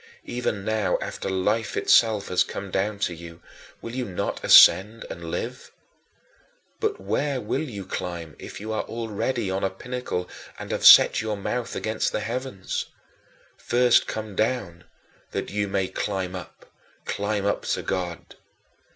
Even now after Life itself has come down to you, will you not ascend and live? But where will you climb if you are already on a pinnacle and have set your mouth against the heavens? First come down that you may climb up, climb up to God.